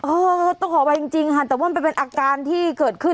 เออต้องขออภัยจริงค่ะแต่ว่ามันเป็นอาการที่เกิดขึ้น